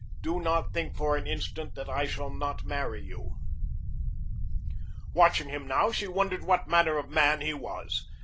Do not think for an instant that I shall not marry you. Watching him now, she wondered what manner of man he was.